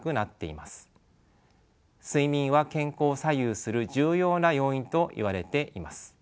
睡眠は健康を左右する重要な要因といわれています。